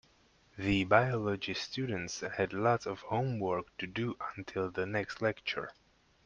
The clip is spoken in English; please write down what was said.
The biology students had lots of homework to do until the next lecture.